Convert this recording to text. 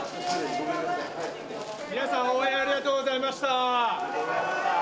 皆さん、応援ありがとうございました。